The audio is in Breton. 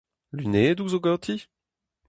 Lunedoù zo ganti ?